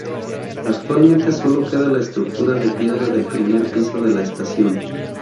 Actualmente solo queda la estructura de piedra del primer piso de la estación.